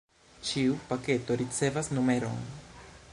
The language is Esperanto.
Ĉiu paketo ricevas numeron.